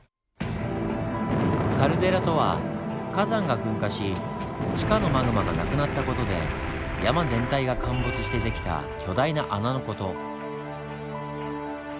カルデラとは火山が噴火し地下のマグマがなくなった事で山全体が陥没して出来た巨大な穴の事。